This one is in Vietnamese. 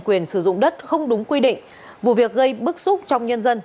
quyền sử dụng đất không đúng quy định vụ việc gây bức xúc trong nhân dân